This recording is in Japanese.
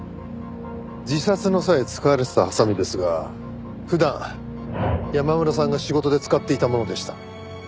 自殺の際使われてたハサミですが普段山村さんが仕事で使っていたものでした。